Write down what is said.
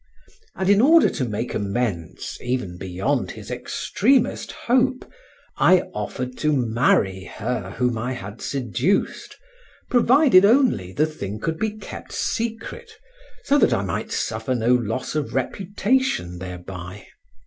And in order to make amends even beyond his extremest hope, I offered to marry her whom I had seduced, provided only the thing could be kept secret, so that I might suffer no loss of reputation thereby.